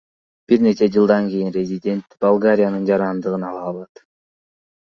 Бир нече жылдан кийин резидент Болгариянын жарандыгын ала алат.